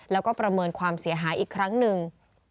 แล้วก็ประเมินความเสียหายอีกครั้งหนึ่ง